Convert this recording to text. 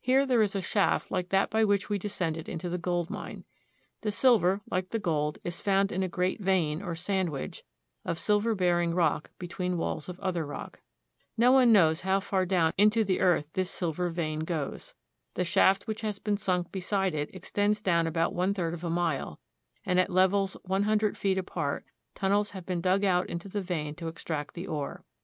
Here there is a shaft like that by which we descended into the gold mine. The silver, like the gold, is found in a great vein, or sandwich, of silver bearing rock between walls of other rock. No one knows how far down into the earth this silver vein goes. The shaft which has been sunk beside it extends down about one third of a mile, and at levels one hundred feet apart tunnels have been dug out into the vein to extract the ore.